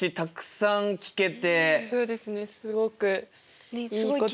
そうですねすごくいいことを。